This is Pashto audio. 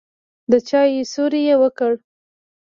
د چايو سور يې وکړ.